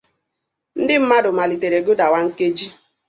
Ndị mmadụ malitere gụdawa nkeji